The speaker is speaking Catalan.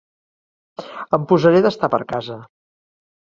Em posaré d'estar per casa.